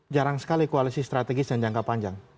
jarang sekali koalisi strategis dan jangka panjang